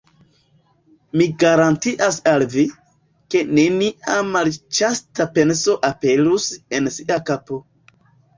Mi garantias al vi, ke nenia malĉasta penso aperus en ŝia kapo.